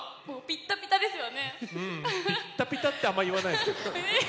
「ピッタピタ」ってあんま言わないですけど。